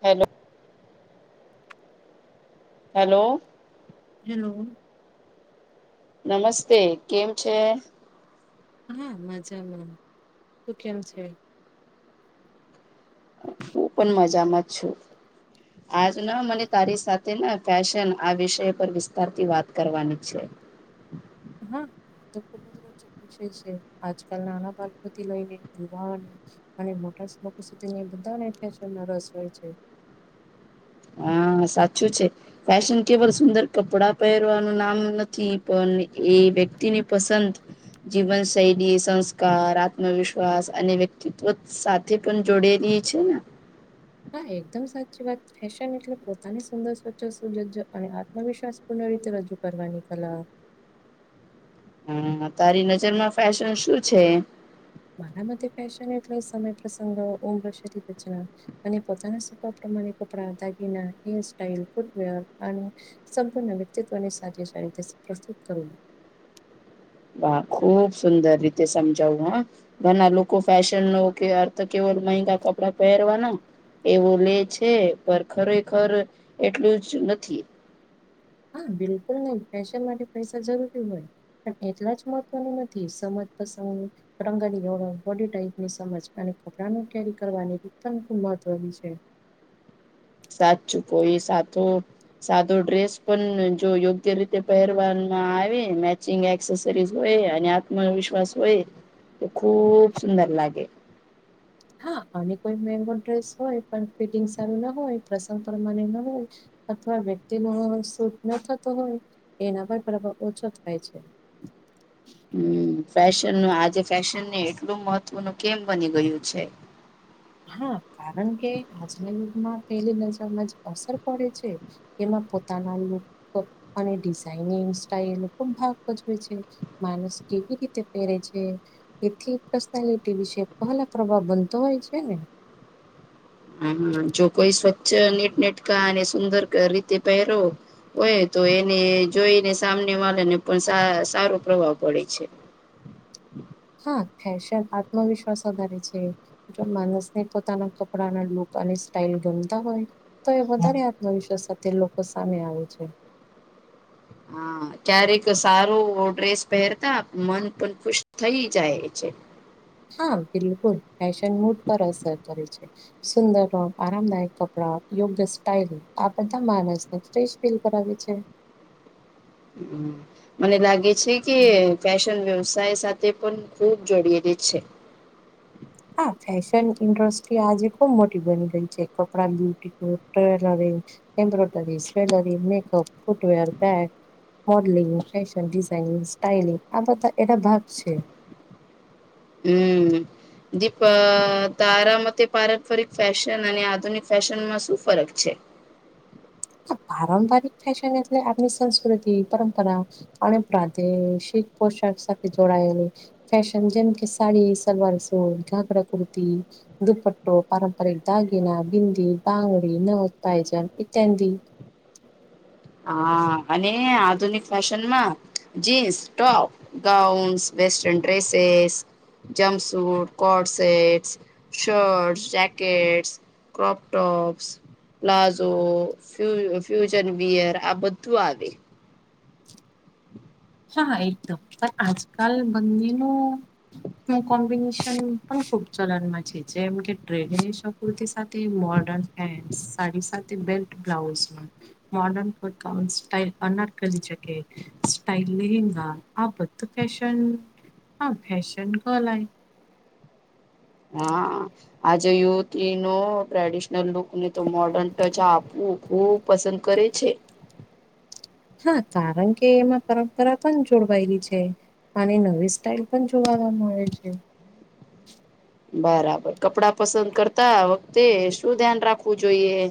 Hello. Hello. Hello. નમસ્તે કેમ છે? હા મજામાં તું કેમ છે? હું પણ મજામાં જ છું આજના મને તારી સાથેના ફેશન આ વિષય પર વિસ્તારથી વાત કરવાની છે. હા આ તો ખુબ જ રોચક વિષય છે આજકાલ નાના બાળકોથી લઈને યુવાન અને મોટા સુબકો સુધી બધા રસ હોય છે. હા સાચું છે. ફેશન કેવલ સુંદર કપડા પહેરવાનું નામ નથી પણ એ વ્યક્તિની પસંદ જીવન શૈલી સંસ કાર આત્મવિશ્વાસ અને વ્યક્તિત્વ સાથે પણ જોડેલી છે ને હા એકદમ સાચી વાત ફેશન એટલે પોતાની સુંદર સ્વચ્છ સજ્જ અને આત્મવિશ્વાસ પૂર્ણ રીતે રજૂ કરવાની કલા હા તારી નજરમાં ફેશન શું છે? મારા માટે ફેેશન એટલે સમે એટલે સગ્રહ ઓમર શરીર છે અને પોતાના સપા પ્રમાણે કપડા દાગીના હેર સ્ટાઈલ ફૂટવીઅર અને સંપૂર્ણ વ્યક્તિત્વની સાચી શ્રેણીને પ્રસ્તુત કરવું. વા ખુબ સુંદર રીતે સમજાવયુ હા ઘના લોકો ફેશનનો કે અર્થ કેવલ મેઘા કપડા પહેરવાનો એવું લે છે પણ ખરેખર એટલું જ નથી. હા બિલકુલ ની ફેશન માટે પૈસા જરૂરી હોય. પણ એટલા જ મહત્વનું નથી સમજ પસ પતંગડી ઓરો બોડી ટાઈપની સમજ અને કપડાંનું કેરી કરવાની ખૂબ મહત્વની છે. સાચું કોઈ સાચું સાદો ડ્રેસ પણ જો યોગ્ય રીતે પહેરવામા આવે મેચિંગ એક્સેસરીઝ હોય અને આત્મવિશ્વાસ હોય તો ખૂબ સુંદર લાગે હા અને કોઈ મેંગો ડ્રેસ હોય પણ ફિટિંગ સારું ના હોય પ્રસંગ પ્રમાણે ના હોય અથવા વ્યક્તિનો સુટ ન થતો હોય એના પર પ્રભાવ ઓછો થાય છે. હમ્મ ફેશનનું આજે ફેશનને એટલું મહત્વનું કેમ બની ગયું છે. હા કારણ કે આજના યુગમાં પહેલી નજરમાં જ અસર પડે છે. એમાં પોતાના લુક અને ડિઝાઇનિંગ સ્ટાઈલ પણ ભાગ ભજવે છે. માણસ કેવી રીતે પેરે છે.? એથી પર્સનાલિટી વિશે પહેલા પ્રભાવ બનતો હોય છે ને? હા જો કોઈ સ્વચ્છ નેટનેટકા અને સુંદર રીતે પહેરો હોય તો એને જોઈને સામને વાલે ને પન સારો પ્રભાવ પડે છે. હા ફેશન આત્મવિશ્વાસ વધારે છે. જો માનસને પોતાના કપડાનાં લુક અને સ્ટાઈલ ગમતા હોય. તો એ વધારે આત્મવિશ્વાસ સાથે લોકો સામે આવે છે. હા ક્યારેક સારું ડ્રેસ પેરતા મન પન ખુશ થઈ જાય છે. હા બિલકુલ ફેશન મૂડ પર અસર કરે છે. સુંદરો આરામદાયક કપડા યોગ્ય સ્ટાઈલ આ બધાં માનસ ફટ્રસ ફીલ કરાવી છે. હમ મને લાગે છે કે ફેશન વ્યવસાય સાથે પન ખૂબ જોડયેલી છે. હા ફેશન ઇન્ડસ્ટ્રી આજે ખુબ મોટી બની ગઈ છે કપડા બ્યુટી કોટ લવેજ. એમ્બ્રોદવેજ, સ્પેલરી, મેકઅપ, ફૂટવેર બેગ મ, ડલિંગ ફેશન ડિઝાઈનિંગ સ્ટાઈલિંગ આ બધા એ તો ભાગશે હમ દીપ તારા મતે પારંપરિક ફેશન અને આધુનિક ફેશનમાં શું ફરક છે.? પારંપરિક ફેશન એટલે આપની સંસ્કૃતિ પરંપરા અને પ્રાદેશિક પોશાક સાથે જોડાયેલી ફેશન જેમ કે, સાડી, સલવાર, સૂટ, ગાઘરા કુર્તી, દુપટ્ટો પારંપરિક દાગીના બિંદી, બંગડી નવત્પાયજન ઈત્યાદી હા અને આધુનિક ફેશનમાં jeans, top gowns, western dresses jumpsuit, coat set, shirt, jackets crop tops, palazzo, ફ ફ્યુજન બિયર આ બધું આવે. હાહા એકદમ પણ આજકાલ બંદીનું કોમ્બિનેશન પણ ખુબ ચલન માં છે જેમ કે ટ્રેડનેશન કુર્તી સાથે મોર્ડન પેન્ટ સાડી સાથે બેલ્ટ બ્લાઉઝમાં મોર્ડન પણ કાઉન સાઈલના કરી શકે. ટાઇપ ઇલે હિંગ આ બધું ફેશન, હા ફેશન ક લય હા આજે યુવતીનો ટ્રેડિશનલ લુક ને તો મોડન ટચ આપવું ખુબ પસંદ કરે છે. હા કારણ કે એમાં પરંપરા પણ જોડવાયેલી છે. આની નવી સ્ટાઈલ પણ જોવામાં મળે છે. બરાબર કપડાં પસંદ કરતા વખતે શું ધ્યાન રાખવું જોઈએ.?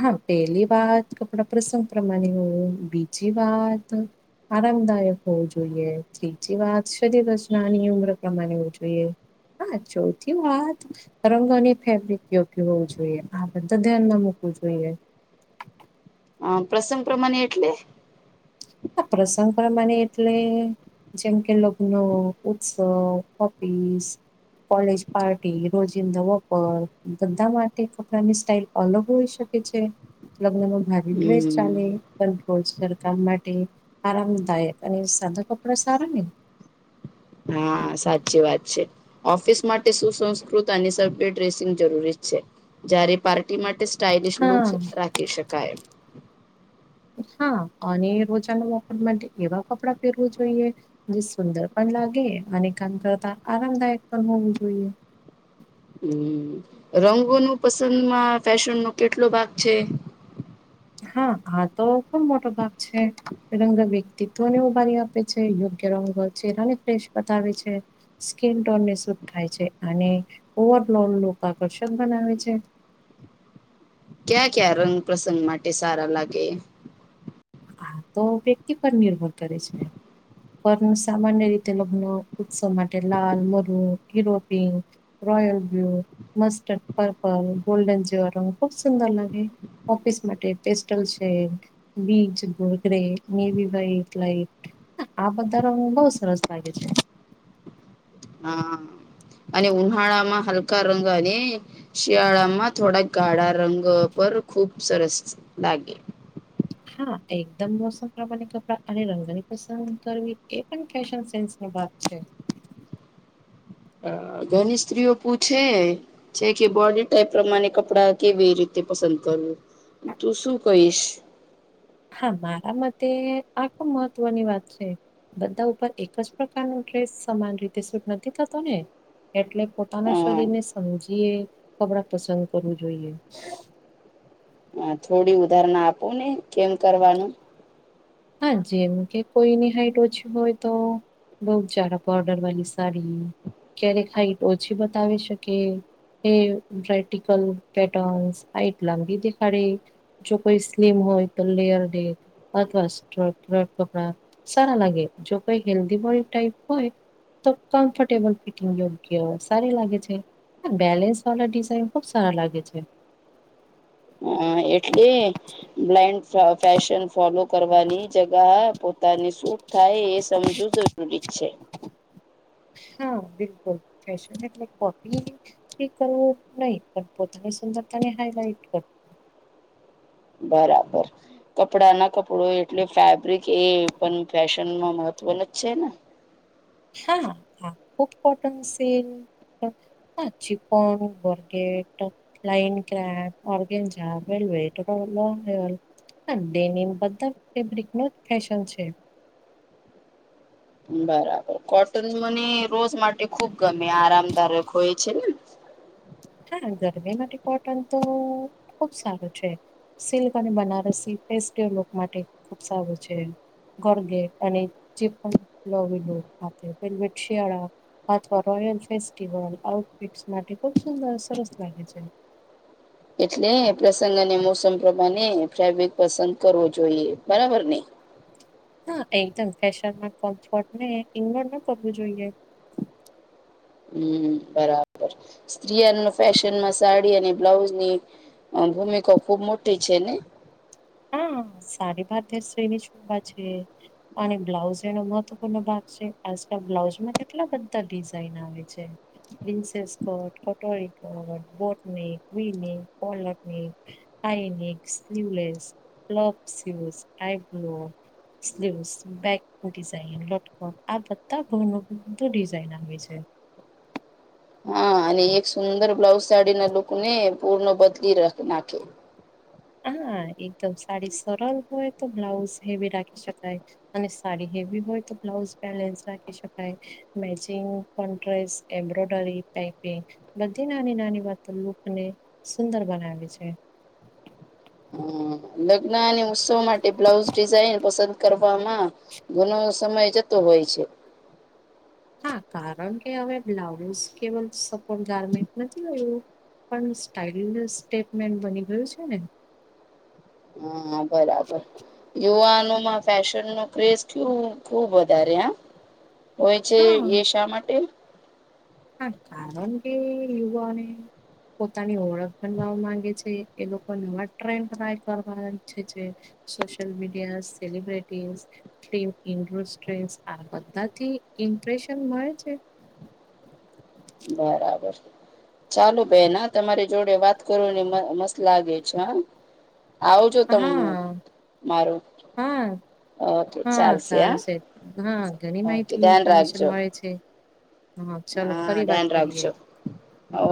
હા પેલી વાત કપડા પ્રસંગ પ્રમાણે હોય બીજી વાત આરામદાયક હોવું જોઈએ, ત્રીજી વાત શરીર રચનાની ઉમર પ્રમાણે હોવું જોઈએ. હા ચોથી વાત રંગોની ફેબ્રિક યોગ્ય હોવું જોઈએ, આ બધા ધ્યાનમાં મુૂકવું જોઈએ. હ પ્રસંગ પ્રમાણે એટલે? આ પ્રસંગ પ્રમાણે એટલે જેમ કે લગ્ન, ઉત્સવ, ઓફીસ કોલેજ પાર્ટી, રોજિંદા વપર, બધા માટે કપડાની સ્ટાઇલ અલગ હોઈ શકે છે. લગ્નમાં ભારે ડ્રેસ હમ ચાલે પણોજ સરકામ માટે આરામદાયક અને સાધા કપડા સારા ને હા સાચી વાત છે ઓફિસ માટે સુસંસ્કૃત અને સભ્ય ડ્રેસિંગ જરૂરી છે જ્યારે માટે સ્ટાઇલિશ હા લુક્સ રાખી શકાય હા અને રોજાના વાપર માટે એવા કપડાં પહેરવું જોઈએ જે સુંદર પણ લાગે અને કામ કરતા આરામદાયક પણ હોવું જોઈએ હમ રંગોનો પસંદમાં ફેશનનો કેટલો ભાગ છે હા આ તો ખુબ મોટો ભાગ છે રંગા વ્યક્તિત્વને ઉભારી આપે છે યોગ્ય રંગત ચહેરાને ફ્રેશ બતાવે છે સ્કીન ટોનને શુદ્ધ થાય છે અને ઓવરઓલ લૂક આકર્ષક બનાવે છે ક્યાં ક્યાં રંગ પ્રસંગ માટે સારા લાગે આ તો વ્યક્તિ પર નિર્ભર કરે છે પણ સામાન્ય રીતે લગ્ન ઉત્સવ માટે લાલ મરુન હીરોપીંક royal blue mustard purple golden જેવા રંગ ખૂબ સુંદર લાગે ઓફિસ માટે પેસ્ટલ છે બીજ ગ્રે નેવી વ્હાઇટ લાઇક આ બધા રંગ બો સરસ લાગે છે હા અને ઉનાળા માં હલકા રંગ અને શિયાળામાં થોડાક ગાળા રંગ પર ખુબ સરસ લાગે હા એકદમ મોસમ પ્રમાણે કપડા અને રંગની પસંદ કરવી એ પણ ફેશન સેન્સ એ વાત છે. હ ઘણી સ્ત્રીઓ પૂછે છે કે બોડી ટાઈપ પ્રમાણે કપડા કેવી રીતે પસંદ કરવું. તો શું કહીશ. હા મારા મતે આ ખૂબ મહત્વની વાત છે. બધા ઉપર એક જ પ્રકાર નુ ડ્રેસ સમાન રીતે સૂટ નથી થતો ને એટલે પોતાના અ શરીરને સમજી કપડા પસંદ કરવું જોઈએ. હા થોડી ઉદાહરણા આપો ને કેમ કરવાનું હા જે એમ કે કોઈની હાઈટ ઓછી હોય તો બઉ જાડા બોર્ડર વાળી સાડી ક્યારેક હાઈટ ઓછી બતાવી શકે એ વર્ટિકલ પેટર્નસ હાઇટ લાંબી દેખાડે. જો કોઈ સ્લિમ હોય તો લેયર ડેટ અથવા જોરજટ કપડા સારા લાગે જો કઈ હેલ્ધી બોડી ટાઈપ હોય તો કમ્ફર્ટેબલ ફિટિંગ યોગ્ય સારી લાગે છે. બેલેન્સ વાળા ડિઝાઇન ખુબ સારા લાગે છે. હ એટલે બ્લાઈન્ડ ફેશન ફોલો કરવાની જગ પો પોતાને શૂટ થાય એ સમજવું જરૂરી છે. [unintelligible] હા બિલકુલ ફેશન ને કોપી એ કરવું નહી પણ પોતાને સુંદરતાને હાઈલાઈટ કરવુ બરાબર કપડા ના કપડુ એટલે ફેબ્રિક એ પણ ફેશનમાં મહત્વ નુ જ છે ને હા ખૂબ કોટન સેલ હા સિમોન જોરજેટ લાઈન કરાક ઓર્ગનજા વેલ્વેટ લોંગ હા ડેનિમ બધા ફેબ્રિક નુ ફેશન છે. બરાબર કોટન મને રોજ માટે ખુબ ગમે આરામદારક હોય છે ને હા ગરમી માટે કોટન તો ખુબ સારું છે. સિલ્ક અને બનારસી ફેસ્ટિવલ લૂક માટે ખુબ સારું છે. કોરગેટ અને સિફોન [unintelligible] શિયાળા અથવા રોયલ ફ્લેસ્ટિવલ માટે ખુબ સુંદર સરસ લાગે છે. એટલે પ્રસંગ અને મોસમ પ્રમાણે ફેબિક પસંદ કરવો જોઈએ બરાબર ને હા એકદમ ફેશનમાં કમ્ફર્ટ ને ઇગનોર નો કરવું જોઈએ. હમ્મ બરાબર સ્ત્રીય ફેશનમાં સાડી અને બ્લાઉઝની ભૂમિકા ખુબ મોટી છે ને હા સારી ભાર ધર શ્રેણી શુભ છે અને બ્લાઉઝ એનો મહત્વપૂર્ણ ભાગ છે આજકાલ બ્લાઉઝમાં કેટલા બધા ડિઝઇન આવે છે. પ્રિન્સેસ કટ પટોરી કટ બોટનિક ક્લિનિંગ પલકનિક આઈનિક સ્વલેસ આઈ બ્લુ સ્લીવસ બેક ડિઝાઇન લોટકોટ આ બધા ભાવનું બધું ડિઝાઇન આવે છે. હા અને એક સુંદર બ્લાઉઝ સાડી ના લુક ને પૂર્ણ બદલી નાખે હા એકદમ સાડી સરળ હોય તો બ્લાઉઝ હેવી રાખી શકાય. અને સાડી હેવી હોય તો બ્લાઉઝ બેલેન્સ રાખી શકાય. મેચિંગ પણ ડ્રેસ એમ્બ્રોડરી પાઇપિંગ બધી નાની નાની વાતો લુકને સુંદર બનાવે છે. હમ લગ્ન અને ઉત્સવ માટે બ્લાઉઝ ડિઝાઇન પસંદ કરવામાં ઘનો સમય જતો હોય છે. હા કારણ કે હવે બ્લાઉઝ કેવલ સપોર્ટ ગારમેન્ટ નથી રહયુ. પણ સ્ટાઇલલેસ સ્ટેટમેન બની ગયું છે ને હા બરાબર યુવાનો માં ફેશન નો ક્રેઝુ ખુબ વધારે આ હોય છે હા એ શા માટે હા કારણે યુવાને પોતાની ઓળખ બનવા માંગે છે એ લોકો નવા ટ્રેન ટાય કરવા ચ્છે છે સોશલ મીડિયા સેલિબ્રિટીઝ આ બધાથી ઇમ્પ્રેશન મળે છે બરાબર છે ચાલો બેહેન તમારી જોડે વાત કરને મસ્ત લાગે છે હ આવજો હા તને મારું હા ઓકે હા ચાલશે ચાલ હા છે હા ઘણી ઓકે માહિતી ધ્યાન ઇન્ફોર્મેશન રાખજો મળે છે હા ચાલો હા ફરી વાત ધ્યાન કરીએ રાખજો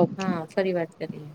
ઓકે હા ફરી વાત કરીએ